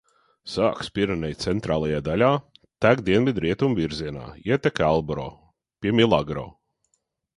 Sākas Pireneju centrālajā daļā, tek dienvidrietumu virzienā, ietek Ebro pie Milagro.